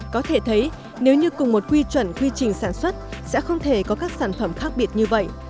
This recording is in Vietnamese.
có thể thấy nếu như cùng một quy chuẩn quy trình sản xuất sẽ không thể có các sản phẩm khác biệt như vậy